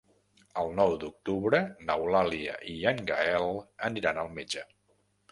El nou d'octubre n'Eulàlia i en Gaël aniran al metge.